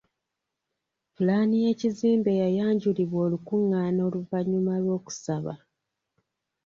Pulaani y'ekizimbe yayanjulibwa olukungaana oluvannyuma lw'okusaba.